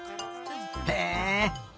へえ。